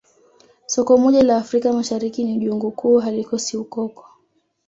Soko moja la Afrika Mashariki ni jungu kuu halikosi ukoko